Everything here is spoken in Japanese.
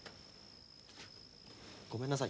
ごめんなさい。